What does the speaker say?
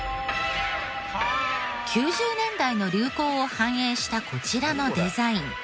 ９０年代の流行を反映したこちらのデザイン。